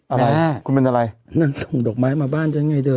อะไรคุณเป็นอะไรนางส่งดอกไม้มาบ้านฉันไงเธอ